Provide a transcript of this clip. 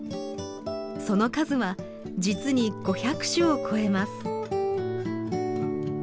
その数は実に５００種を超えます。